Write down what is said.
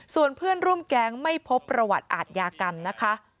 ส่วนเพื่อนร่วมแก๊งไม่พบประวัติอาทยากรรมนะคะ